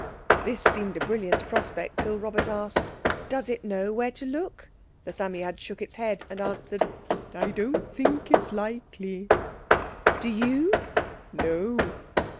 This seemed a brilliant prospect till Robert asked— "Does it know where to look?" The Psammead shook its head and answered, "I don't think it's likely." "Do you?" "No."